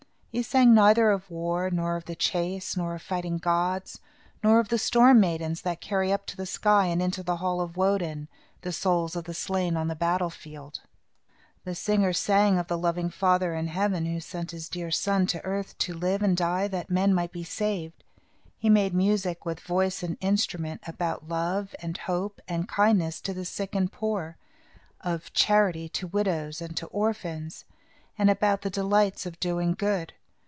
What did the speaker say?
He sang neither of war, nor of the chase, nor of fighting gods, nor of the storm maidens, that carry up to the sky, and into the hall of Woden, the souls of the slain on the battlefield. The singer sang of the loving Father in Heaven, who sent his dear Son to earth to live and die, that men might be saved. He made music with voice and instrument about love, and hope, and kindness to the sick and poor, of charity to widows and to orphans, and about the delights of doing good.